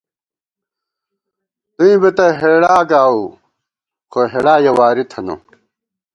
توئیں بی تہ ہېڑا گاؤو، خو ہېڑا یَہ واری تھنہ